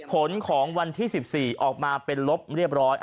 ผลของวันที่๑๔ออกมาเป็นลบเรียบร้อย